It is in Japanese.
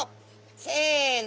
せの！